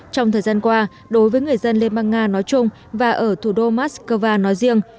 trong thời gian qua đối với người dân liên bang nga nói chung và ở thủ đô moscow nói riêng